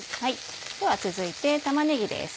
では続いて玉ねぎです。